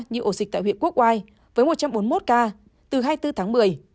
như ổ dịch tại huyện quốc oai với một trăm bốn mươi một ca từ hai mươi bốn tháng một mươi